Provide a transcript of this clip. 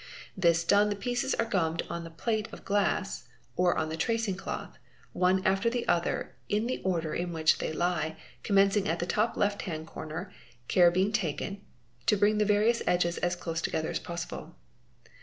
This mne the pieces are gummed on the plate of glass or the tracing cloth, one ter the other in the order in which they lie, commencing at the top ft hand corner, care being taken to bring the various edges as close 4 gether as possible.